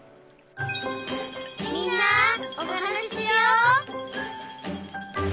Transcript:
「みんなおはなししよう」